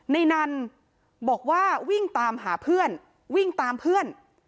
นันบอกว่าวิ่งตามหาเพื่อนวิ่งตามเพื่อน